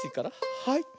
はい。